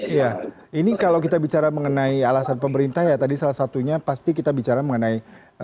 iya ini kalau kita bicara mengenai alasan pemerintah ya tadi salah satunya pasti kita bicara mengenai